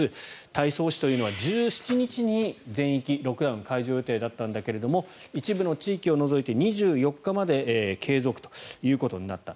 太倉市というのは１７日に全域ロックダウン解除予定だったんだけれど一部の地域を除いて２４日まで継続ということになった。